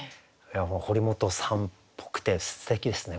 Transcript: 堀本さんっぽくてすてきですね